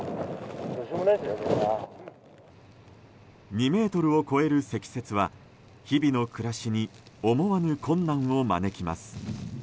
２ｍを超える積雪は日々の暮らしに思わぬ困難を招きます。